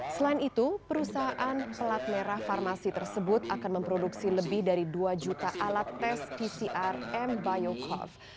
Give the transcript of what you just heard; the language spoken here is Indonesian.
selain itu perusahaan pelat merah farmasi tersebut akan memproduksi lebih dari dua juta alat tes pcr m biocov